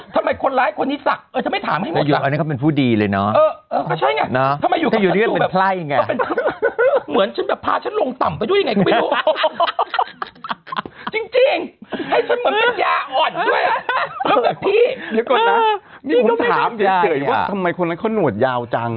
ทำไมคนนั้นเขานวดยาวจัง